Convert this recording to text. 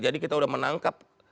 jadi kita sudah menangkap